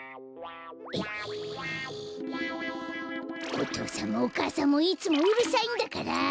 お父さんもお母さんもいつもうるさいんだから！